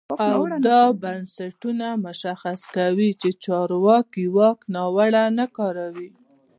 او دا بنسټونه مشخص کوي چې چارواکي واک ناوړه نه کاروي.